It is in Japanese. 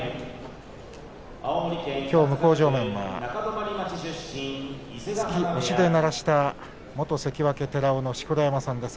きょう向正面は突き押しでならした元関脇寺尾の錣山さんです。